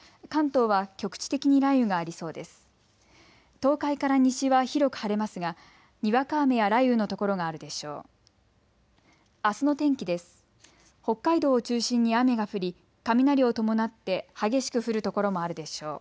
東海から西は広く晴れますがにわか雨や雷雨の所があるでしょう。